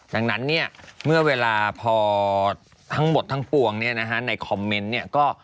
ดังนั้นเนี่ยเมื่อเวลาพอทั้งหมดทั้งปวงเนี่ยนะฮะในคอมเมนต์เนี่ยก็